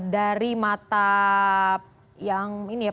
dari mata yang ini ya